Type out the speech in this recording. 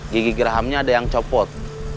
gigi gigi rahamnya ada yang copot